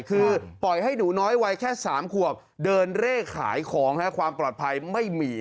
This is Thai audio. คือปล่อยให้หนูน้อยวัยแค่๓ขวบเดินเร่ขายของความปลอดภัยไม่มี